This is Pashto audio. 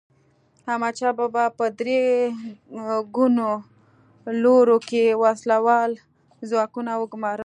احمدشاه بابا په درې ګونو لورو کې وسله وال ځواکونه وګمارل.